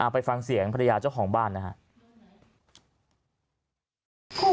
ไปฟังเสียงภรรยาเจ้าของบ้านนะครับ